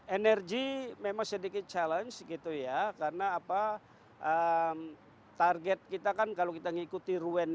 energi memang sedikit challenge gitu ya karena apa target kita kan kalau kita mengikuti ruen